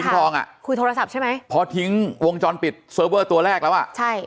กินทองอ่ะคุยโทรศัพท์ใช่ไหมพอทิ้งวงจรปิดตัวแรกละว่าใช่